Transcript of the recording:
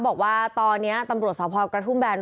บอกว่าตอนนี้ตำรวจสพกระทุ่มแบน